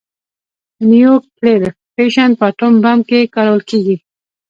د نیوکلیر فیشن په اټوم بم کې کارول کېږي.